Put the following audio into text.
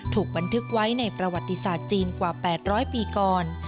ถูกบันทึกไว้ในประวัติศาสตร์จีนกว่า๘๐๐ปีก่อน